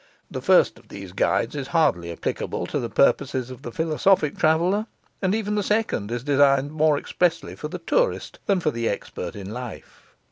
The first of these guides is hardly applicable to the purposes of the philosophic traveller, and even the second is designed more expressly for the tourist than for the expert in life.